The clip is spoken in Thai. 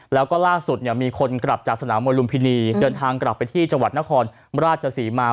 แล้วก็ล่าสุดเนี่ยมีคนกลับจากสนามมวยลุมพินีเดินทางกลับไปที่จังหวัดนครราชศรีมา